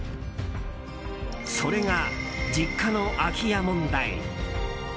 それが実家の空き家問題。